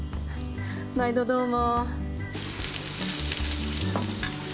毎度どうも。